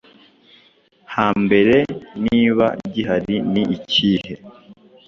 hambere? Niba gihari ni ikihe?